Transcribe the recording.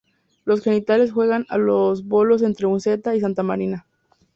Los gentiles juegan a los bolos entre Unceta y Santa Marina.